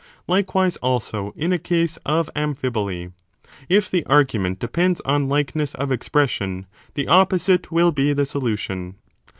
Likewise also in a case of amphi 20 boly. If the argument depends on likeness of expression, the opposite will be the solution.